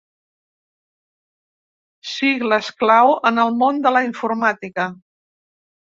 Sigles clau en el món de la informàtica.